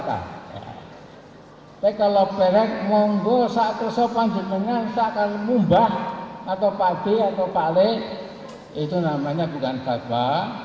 tapi kalau peren monggo saat kesopan di tengah tak akan mumbah atau padi atau palik itu namanya bukan fatwa